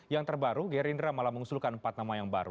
yang terbaru gerindra malah mengusulkan empat nama yang baru